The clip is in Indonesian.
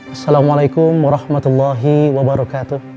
assalamualaikum warahmatullahi wabarakatuh